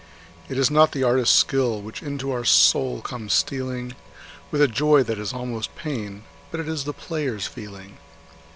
It is not the artist's skill which into our soul comes stealing With a joy that is almost pain, but it is the player's feeling.